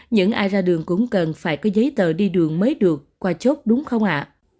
những ai ra đường cũng cần phải có giấy tờ đi đường mới được qua chốt đúng không ạ